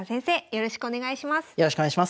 よろしくお願いします。